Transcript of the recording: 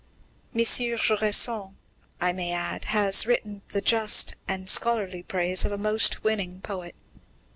M. Jusserand, I may add, has written the just and scholarly praise of a most winning poet.